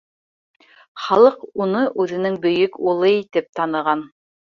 Халыҡ уны үҙенең бөйөк улы итеп таныған.